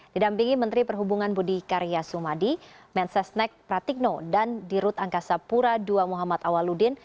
didampingi menteri perhubungan budi karya sumadi mensesnek pratikno dan dirut angkasa pura ii muhammad awaludin